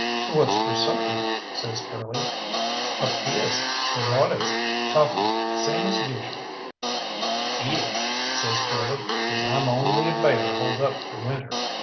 "What's for supper?" says Curly. "Tortillas, frijoles, coffee same as usual." "Eat it," says Curly, "'cause I'm only a bear holed up for winter.